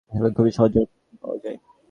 যেগুলো খুব সহজেই পাওয়া যায়।